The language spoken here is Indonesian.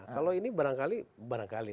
kalau ini barangkali barangkali